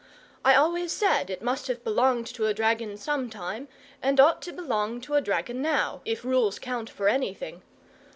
I always said it must have belonged to a dragon some time, and ought to belong to a dragon now, if rules count for anything.